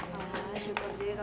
wah syukur dia kalau kayak gitu